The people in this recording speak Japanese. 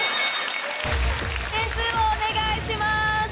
点数をお願いします。